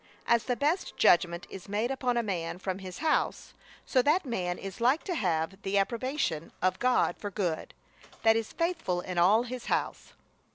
As the best judgment is made upon a man from his house, so that man is like to have the approbation of God for good, that is faithful in all his house.